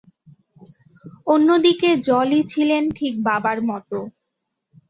অন্যদিকে জলি ছিলেন ঠিক বাবার মতো।